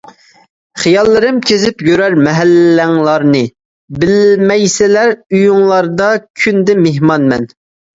خىياللىرىم كېزىپ يۈرەر مەھەللەڭلارنى، بىلمەيسىلەر: ئۆيۈڭلاردا كۈندە مېھمانمەن.